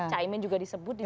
caimin juga disebut juga